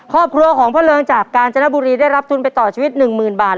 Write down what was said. ครอบครัวของพ่อเริงจากกาญจนบุรีได้รับทุนไปต่อชีวิต๑๐๐๐บาท